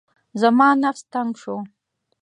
زما نفس تنګ شو.